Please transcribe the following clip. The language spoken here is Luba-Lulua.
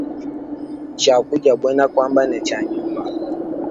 Tshiakudia buena kuamba ne tshia nyuma.